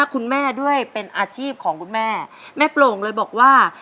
คุณแม่ด้วยเป็นอาชีพของคุณแม่แม่โปร่งเลยบอกว่า